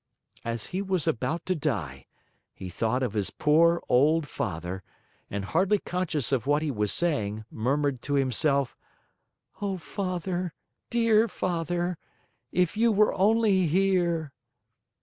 As he was about to die, he thought of his poor old father, and hardly conscious of what he was saying, murmured to himself: "Oh, Father, dear Father! If you were only here!"